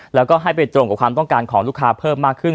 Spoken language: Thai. แล้วก็ให้ไปตรงกับความต้องการของลูกค้าเพิ่มมากขึ้น